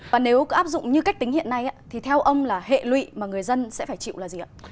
và nếu áp dụng như cách tính hiện nay thì theo ông là hệ lụy mà người dân sẽ phải chịu là gì ạ